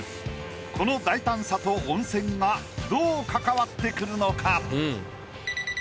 この大胆さと温泉がどう関わってくるのか？